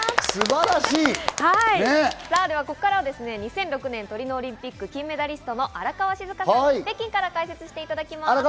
ここからは２００６年トリノオリンピック金メダリストの荒川静香さんに、北京から解説していただきます。